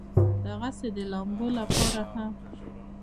دغسې د لامبلو د پاره هم